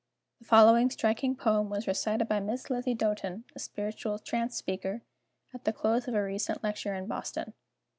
The following striking poem was recited by Miss Lizzie Doten, a Spiritual trance speaker, at the close of a recent lecture in Boston.